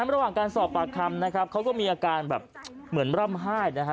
ระหว่างการสอบปากคำเขาก็มีอาการเหมือนร่ำไห้